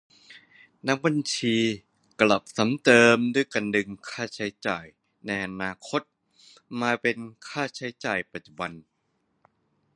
นักบัญชีกลับซ้ำเติมด้วยการดึงค่าใช้จ่ายในอนาคตมาเป็นค่าใช้จ่ายปัจจุบัน ?